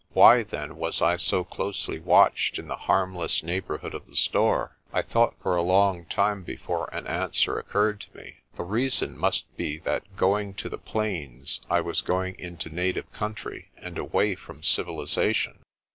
Why, then, was I so closely watched in the harmless neighbourhood of the store? I thought for a long time before an answer occurred to me. The reason must be that going to the plains I was going into native country and away from civilisation.